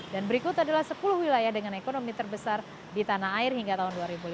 dan berikut adalah sepuluh wilayah dengan ekonomi terbesar di tanah air hingga tahun dua ribu lima belas